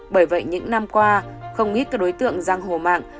bởi vậy những năm qua không ít các đối tượng giang hồ mạng